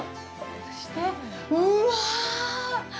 そしてうわぁ！